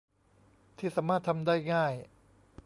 ที่สามารถทำได้ง่าย